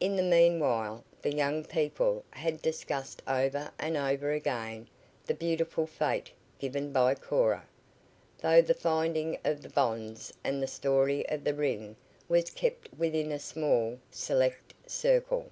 In the meanwhile the young people had discussed over and over again the beautiful fete given by Cora, though the finding of the bonds and the story of the ring was kept within a small, select circle.